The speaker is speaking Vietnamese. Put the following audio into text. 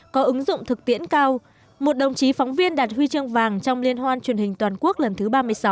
có ứng dụng thực tiễn cao một đồng chí phóng viên đạt huy chương vàng trong liên hoan truyền hình toàn quốc lần thứ ba mươi sáu